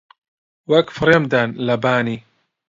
وەک فڕێم دەن لە بانی